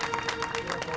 ありがとう。